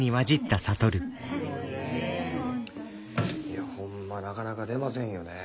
いやホンマなかなか出ませんよね